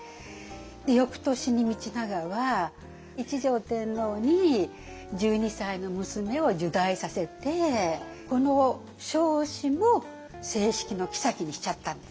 翌年に道長は一条天皇に１２歳の娘を入内させてこの彰子も正式の后にしちゃったんです。